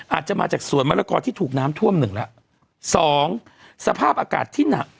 อาจจะมาจากสวนมะละกอที่ถูกน้ำท่วมหนึ่งแล้วสองสภาพอากาศที่หนัก